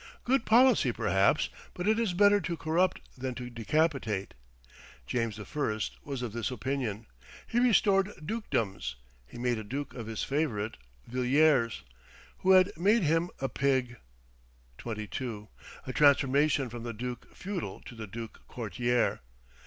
Good policy, perhaps; but it is better to corrupt than to decapitate. James I. was of this opinion. He restored dukedoms. He made a duke of his favourite Villiers, who had made him a pig; a transformation from the duke feudal to the duke courtier.